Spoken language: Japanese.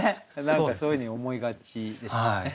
何かそういうふうに思いがちですよね。